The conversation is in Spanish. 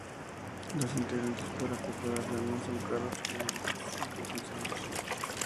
Los ingredientes para prepararla no son caros ni difíciles de conseguir.